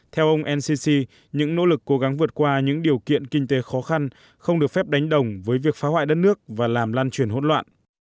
theo ông ncc những nỗ lực cố gắng vượt qua những điều kiện kinh tế khó khăn không được phép đánh đồng với việc phá hoại đất nước và làm lan truyền hỗn loạn